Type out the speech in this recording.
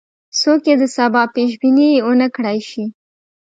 څوک یې د سبا پیش بیني ونه کړای شي.